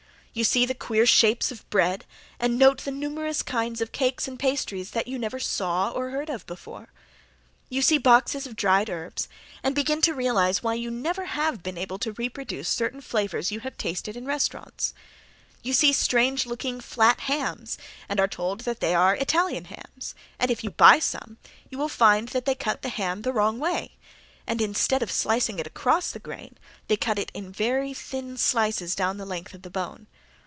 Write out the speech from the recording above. You see the queer shapes of bread, and note the numerous kinds of cakes and pastry that you never saw or heard of before. You see boxes of dried herbs, and begin to realize why you have never been able to reproduce certain flavors you have tasted in restaurants. You see strange looking, flat hams, and are told that they are Italian hams, and if you buy some you will find that they cut the ham the wrong way, and instead of slicing it across the grain they cut in very thin slices down the length of the bone.